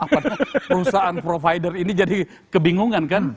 apakah perusahaan provider ini jadi kebingungan kan